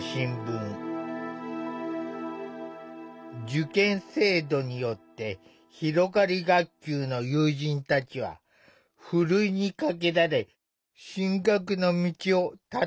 受験制度によってひろがり学級の友人たちはふるいにかけられ進学の道をたたれてしまう。